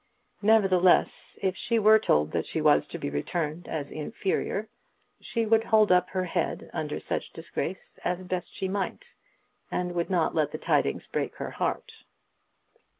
Nevertheless, if she were told that she was to be returned as inferior, she would hold up her head under such disgrace as best she might, and would not let the tidings break her heart.